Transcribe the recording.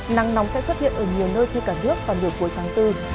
nắng nóng sẽ xuất hiện ở nhiều nơi trên cả nước vào nửa cuối tháng bốn